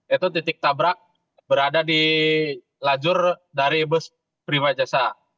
itu titik tabrak berada di lajur dari bus prima jasa